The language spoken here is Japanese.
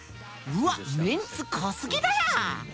うわっメンツ濃すぎだな！